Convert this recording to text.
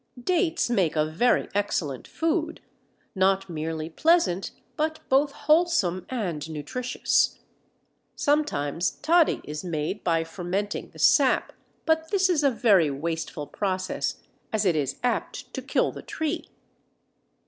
Dates make a very excellent food, not merely pleasant but both wholesome and nutritious. Sometimes toddy is made by fermenting the sap, but this is a very wasteful process, as it is apt to kill the tree.